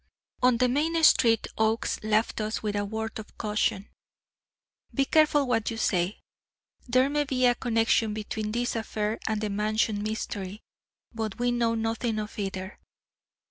On the main street, Oakes left us with a word of caution. "Be careful what you say. There may be a connection between this affair and the Mansion mystery, but we know nothing of either.